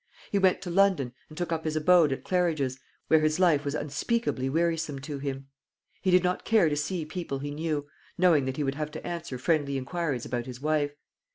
He went to London, and took up his abode at Claridge's, where his life was unspeakably wearisome to him. He did not care to see people he knew, knowing that he would have to answer friendly inquiries about his wife.